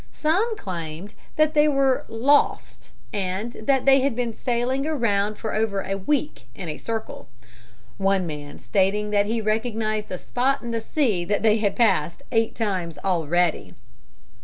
Some claimed that they were lost and that they had been sailing around for over a week in a circle, one man stating that he recognized a spot in the sea that they had passed eight times already.